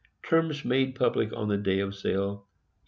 —_Terms made public on day of Sale.